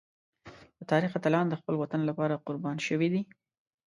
د تاریخ اتلان د خپل وطن لپاره قربان شوي دي.